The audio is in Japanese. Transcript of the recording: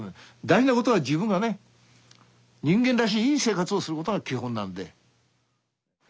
大事なことは自分がね人間らしいいい生活をすることが基本なんで。